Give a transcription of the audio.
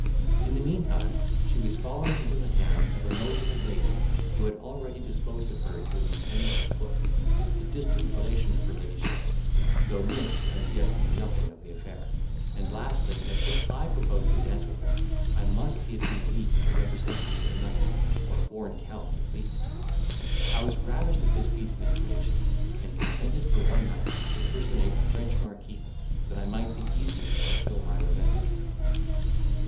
In the meantime, she was fallen into the hands of a notable lady, who had already disposed of her to a lieutenant of foot, a distant relation of her ladyship's, though Miss as yet knew nothing of the affair; and lastly that if I proposed to dance with her, I must give him leave to represent me as a knight, or foreign count at least. I was ravished at this piece of information, and consented for one night, to personate a French marquis, that I might the easier fulfil my revenge.